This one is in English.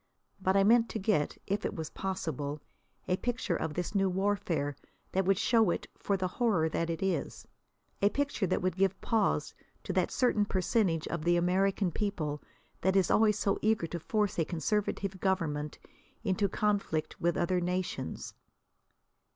But I meant to get, if it was possible, a picture of this new warfare that would show it for the horror that it is; a picture that would give pause to that certain percentage of the American people that is always so eager to force a conservative government into conflict with other nations.